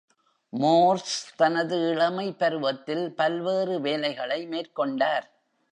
Morse தனது இளமை பருவத்தில் பல்வேறு வேலைகளை மேற்கொண்டார்.